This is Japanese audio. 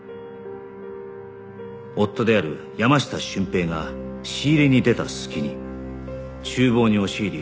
夫である山下俊平が仕入れに出た隙に厨房に押し入り